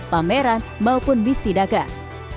pameran maupun misi dagang